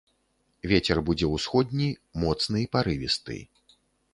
Вецер будзе ўсходні, моцны парывісты.